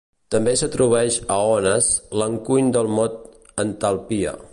També s'atribueix a Onnes l'encuny del mot "entalpia".